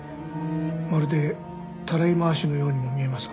まるでたらい回しのようにも見えますが。